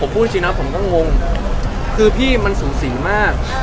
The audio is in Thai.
ผมพูดอันไปเนียนผมก็งงคือพี่มันสุ่งสินมาก